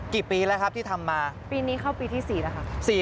กี่ปีแล้วครับที่ทำมาปีนี้เข้าปีที่๔แล้วครับ